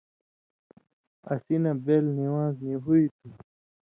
اسی بہ بېل نِوان٘ز نی ہُوئ تُھو۔